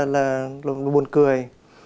rất là buồn cười